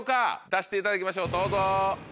出していただきましょうどうぞ。